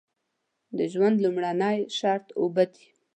د ژوند لومړنی شرط اوبه دي.